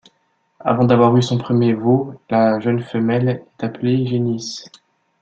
Avant d'avoir eu son premier veau, la jeune femelle est appelée génisse.